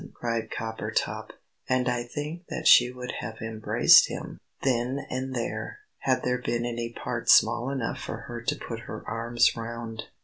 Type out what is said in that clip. cried Coppertop. And I think that she would have embraced him, then and there, had there been any part small enough for her to put her arms round.